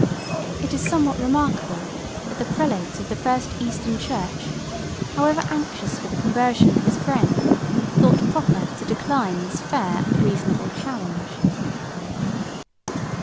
It is somewhat remarkable, that the prelate of the first eastern church, however anxious for the conversion of his friend, thought proper to decline this fair and reasonable challenge.